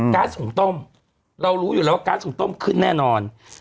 ๊าซหุงต้มเรารู้อยู่แล้วว่าก๊าซหุ่งต้มขึ้นแน่นอน